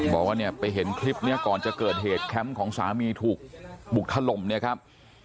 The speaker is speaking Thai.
บอกว่าเนี่ยไปเห็นคลิปนี้ก่อนจะเกิดเหตุแคมป์ของสามีถูกบุกถล่มเนี่ยครับ